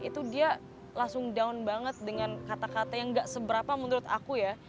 itu dia langsung down banget dengan kata kata yang gak seberapa menurut aku ya